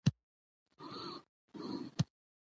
په مقابل کې د لور راکړه.